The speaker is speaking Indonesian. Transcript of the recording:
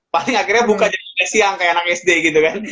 paling akhirnya buka jam sebelas siang kayak anak sd gitu kan